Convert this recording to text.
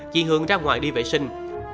chị hường ra ngoài đi vệ sinh